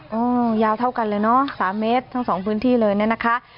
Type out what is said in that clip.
โอ้ยยาวเท่ากันเลยนะ๓เมตรทั้ง๒พื้นที่เลยนะนะคะ